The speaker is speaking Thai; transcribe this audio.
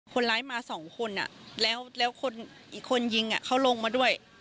คนร้ายมา๒คนแล้วอีกคนยิงเขาลงมาด้วย